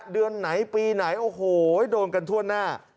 เดือนไหนปีไหนโอ้โหโดนกันทั่วหน้า